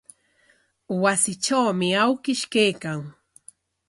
Wasitrawmi awkish kaykan.